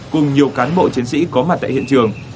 cùng nhiều cán bộ chiến sĩ có mặt tại hiện trường